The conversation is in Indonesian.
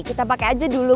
kita pake aja dulu